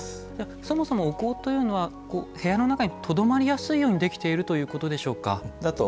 そもそもお香というのは部屋の中にとどまりやすいようにできているということでしょうか。